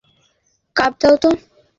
মঞ্জুরী, আরেকটা কাপ দাও তো।